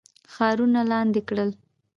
ښارونه لاندي کړل.